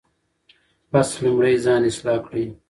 پس لومړی ځان اصلاح کړئ.